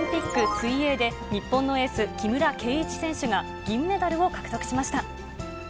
水泳で、日本のエース、木村敬一選手が、銀メダルを獲得しました。